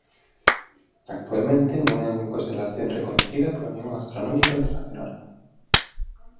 Actualmente no é unha constelación recoñecida pola Unión Astronómica Internacional.